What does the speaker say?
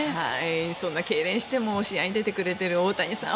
そんなけいれんしても試合に出てくれている大谷さん